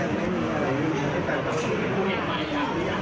ยังไม่มีฝ่ายกล้องในมือครับแต่ว่าก็บอกว่ายังไม่มีฝ่ายกล้อง